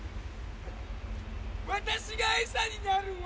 私が餌になるわ。